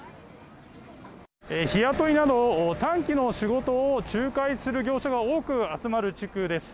日雇いなど短期の仕事を仲介する業者が多く集まる地区です。